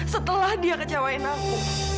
setelah dia kecewain aku